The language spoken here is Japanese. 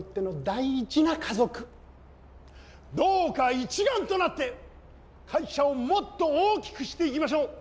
どうか一丸となって会社をもっと大きくしていきましょう！